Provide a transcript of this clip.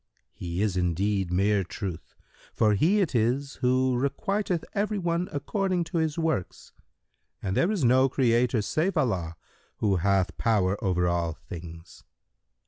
Q "He is indeed mere Truth, for He it is who requiteth every one according to his works, and there is no Creator save Allah who hath power over all things.